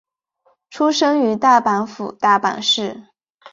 出身于大阪府大阪市。